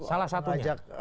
mengajak oposisi masuk